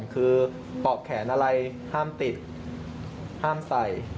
คือปอกแขนอะไรห้ามติดห้ามใส่